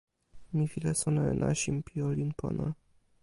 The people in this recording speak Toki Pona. mi wile sona e nasin pi olin pona.